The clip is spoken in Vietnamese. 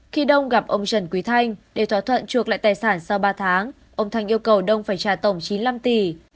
khi đông gặp ông trần quý thanh để thỏa thuận chuộc lại tài sản sau ba tháng ông thanh yêu cầu đông phải trả tổng chín mươi năm tỷ